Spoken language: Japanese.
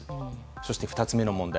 そして２つ目の問題。